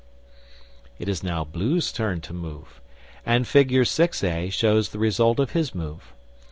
It is now Blue's turn to move, and figure 6a shows the result of his move.